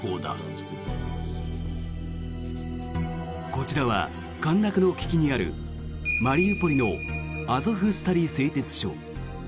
こちらは陥落の危機にあるマリウポリのアゾフスタリ製鉄所。